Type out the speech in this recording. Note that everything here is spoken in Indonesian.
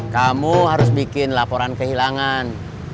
kamu harus bikin laporan kehilangan